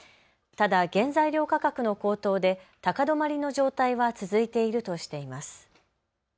ただ原材料価格の高騰で高止まりの状態は続いているとしています。